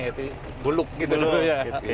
yaitu buluk gitu dulu ya